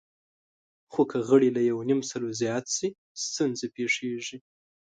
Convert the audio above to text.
خو که غړي له یونیمسلو زیات شي، ستونزې پېښېږي.